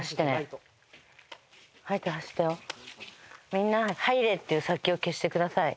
みんな「入れ」っていう殺気を消してください。